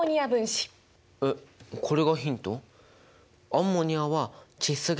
えっこれがヒント？